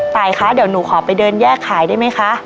ตายคะเดี๋ยวหนูขอไปเดินแยกขายได้ไหมคะ